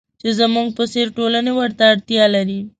چې زموږ په څېر ټولنې ورته اړتیا لري.